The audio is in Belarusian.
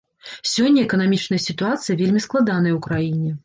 Сёння эканамічная сітуацыя вельмі складаная ў краіне.